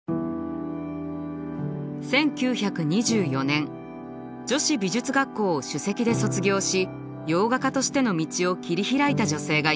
１９２４年女子美術学校を首席で卒業し洋画家としての道を切り開いた女性がいます。